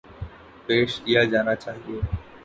ﭘﯿﺶ ﮐﯿﺎ ﺟﺎﻧﺎ ﭼﺎﮬﯿﮯ